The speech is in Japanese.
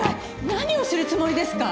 何をするつもりですか！？